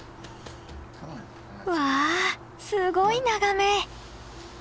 わあすごい眺め！